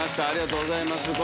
ありがとうございます。